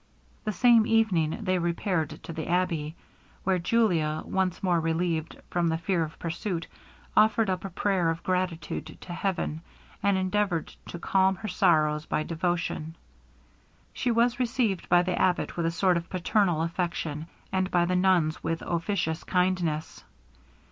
The same evening they repaired to the abbey; where Julia, once more relieved from the fear of pursuit, offered up a prayer of gratitude to heaven, and endeavoured to calm her sorrows by devotion. She was received by the abbot with a sort of paternal affection, and by the nuns with officious kindness.